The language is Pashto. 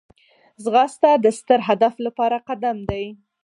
ځغاسته د ستر هدف لپاره قدم دی